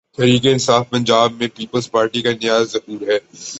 تحریک انصاف پنجاب میں peoples party کا نیا ظہور ہے۔